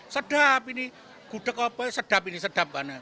sedap ini gudeg apa sedap ini sedap